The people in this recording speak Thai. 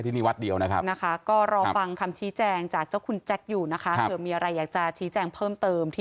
แต่ที่ผ่านมาก็ไม่เคยเห็นวิติกรรมนี้แบบนี้